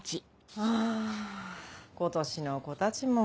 あぁ今年の子たちも。